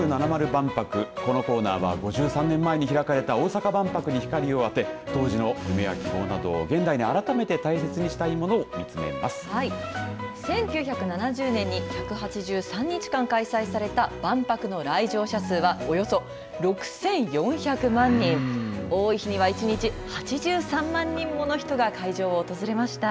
万博このコーナーは５３年前に開かれた大阪万博に光を当て当時の夢や希望など現代に改めて大切にしたいものを１９７０年に１８３日間、開催された万博の来場者数はおよそ６４００万人多い日には１日８３万人もの人が会場を訪れました。